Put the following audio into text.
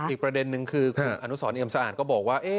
อีกประเด็นนึงคือคุณอนุสรเอี่ยมสะอาดก็บอกว่า